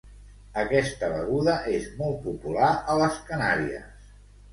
Aquesta beguda és molt popular a les Canàries.